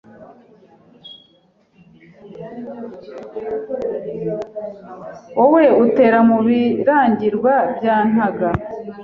“Wowe utera mu Birangirwa bya Ntaga